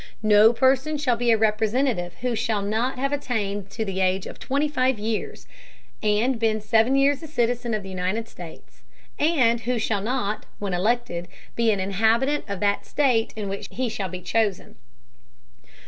No Person shall be a Representative who shall not have attained to the Age of twenty five Years, and been seven Years a Citizen of the United States, and who shall not, when elected, be an Inhabitant of that State in which he shall be chosen.